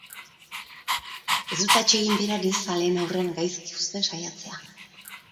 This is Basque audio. Ez dut atsegin bera ni zaleen aurrean gaizki uzten saiatzea.